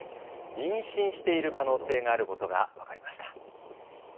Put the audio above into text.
妊娠している可能性があることが分かりました。